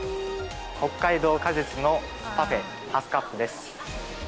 北海道果実のパフェ、ハスカップです。